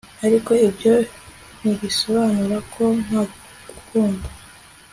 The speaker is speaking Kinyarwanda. ariko ibyo ntibisobanura ko ntagukunda